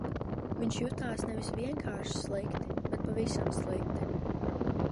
Viņš jutās nevis vienkārši slikti, bet pavisam slikti.